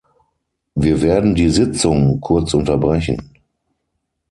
Wir werden die Sitzung kurz unterbrechen.